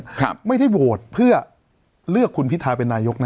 ครับไม่ได้โหวตเพื่อเลือกคุณพิทาเป็นนายกนะ